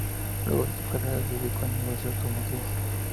Luego de su carrera se dedicó al negocio automotriz.